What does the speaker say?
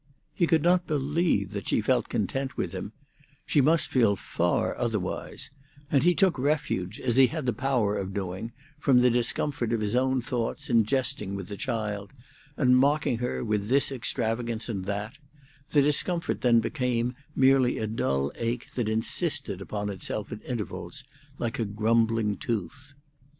He could not believe that she felt content with him; she must feel far otherwise; and he took refuge, as he had the power of doing, from the discomfort of his own thoughts in jesting with the child, and mocking her with this extravagance and that; the discomfort then became merely a dull ache that insisted upon itself at intervals, like a grumbling tooth.